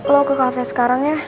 lo ke cafe sekarang ya